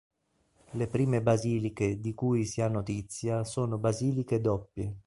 Le prime basiliche di cui si ha notizia sono "basiliche doppie".